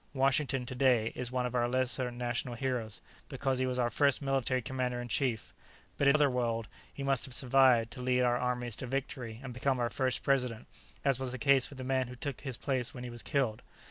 Washington, today, is one of our lesser national heroes, because he was our first military commander in chief. But in this other world, he must have survived to lead our armies to victory and become our first President, as was the case with the man who took his place when he was killed.